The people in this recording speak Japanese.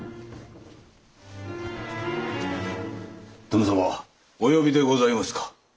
殿様お呼びでございますか？